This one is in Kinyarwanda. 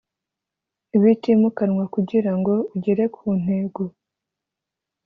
ibitimukanwa kugira ngo ugere ku ntego